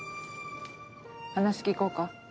話聞こうか？